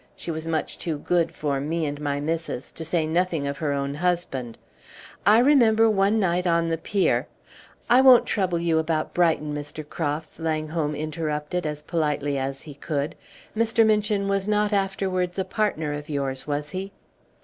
She was much too good for me and my missus, to say nothing of her own husband. I remember one night on the pier " "I won't trouble you about Brighton, Mr. Crofts," Langholm interrupted, as politely as he could. "Mr. Minchin was not afterwards a partner of yours, was he?"